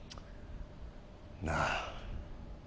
なあ？